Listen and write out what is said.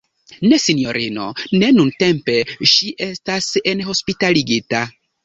Ne sinjorino, ne nuntempe, ŝi estas enhospitaligita.